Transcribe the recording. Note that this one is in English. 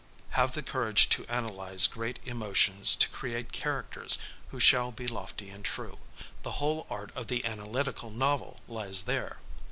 "Have the courage to analyze great emotions to create characters who shall be lofty and true. The whole art of the analytical novel lies there."